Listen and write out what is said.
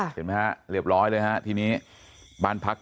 เห็นไหมครับเรียบร้อยเลยที่นี้บ้านพักที่